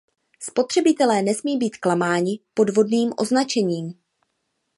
Spotřebitelé nesmí být klamáni podvodným označením.